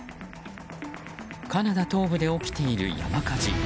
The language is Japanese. カナダ東部で起きている山火事。